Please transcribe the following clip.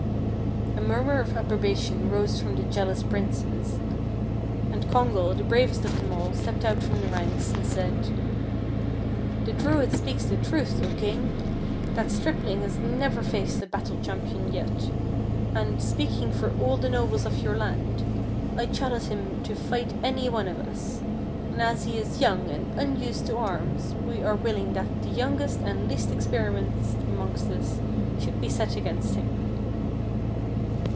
A murmur of approbation rose from the jeal ous princes, and Congal, the bravest of them all, stepped out from the ranks, and said: " The Druid speaks the truth, O king ! That stripling has never faced a battle champion yet, and, speaking for all the nobles of your land, I challenge him to fight any one of us; and as he is young and unused to arms, we are willing that the youngest and least experienced amongst us should be set against him."